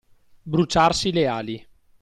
Bruciarsi le ali.